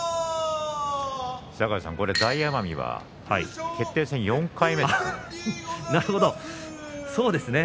大奄美は決定戦４回目なんですね。